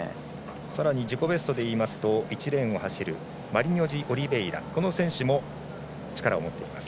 さらに自己ベストでいうと１レーンを走るマリニョジオリベイラも力を持っています。